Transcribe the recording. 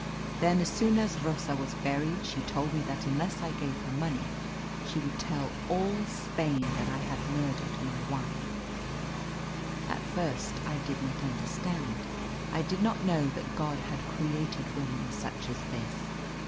Then, as soon as Rosa was buried, she told me that unless I gave her money she would tell all Spain that I had murdered my wife. At first I did not understand. I did not know that God had created women such as this.